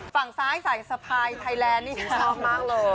ฝั่งซ้ายใส่สะพายไทยแลนด์นี่ชอบมากเลย